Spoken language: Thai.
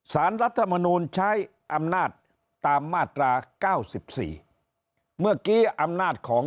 สารรัฐมนุนใช้อำนาตตามมาตรา๙๔เมื่อกี้อำนาตของ